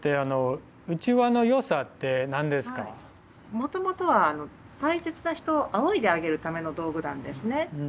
もともとは大切な人をあおいであげるための道具なんですね。